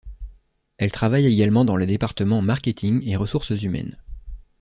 Elle travaille également dans les départements marketing et ressources humaines.